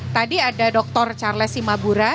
tadi ada dr charles simabura